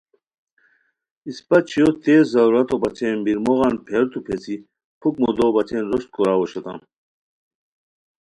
اِسپہ چھویو تیز ضرورتو بچین بیر موغان پھیرتو پیڅھی پُھک مودو بچین روشت کوراؤ اوشتام